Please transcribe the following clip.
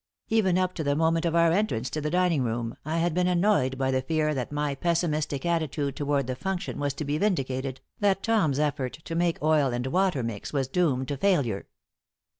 Even up to the moment of our entrance to the dining room I had been annoyed by the fear that my pessimistic attitude toward the function was to be vindicated, that Tom's effort to make oil and water mix was doomed to failure.